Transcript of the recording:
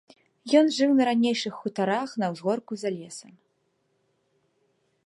Ён жыў на ранейшых хутарах, на ўзгорку, за лесам.